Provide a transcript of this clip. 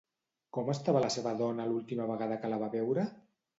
Com estava la seva dona l'última vegada que la va veure?